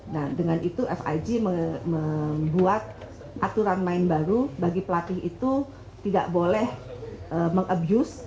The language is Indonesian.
nah dengan itu fig membuat aturan main baru bagi pelatih itu tidak boleh mengabuse